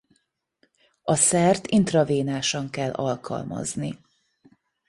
A szert intravénásan kell alkalmazni.